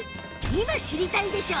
今知りたいでしょ！